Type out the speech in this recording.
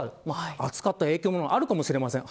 暑かった影響もあるかもしれません。